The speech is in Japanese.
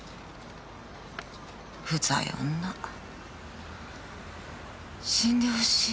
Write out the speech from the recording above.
うざい女死んで欲しい。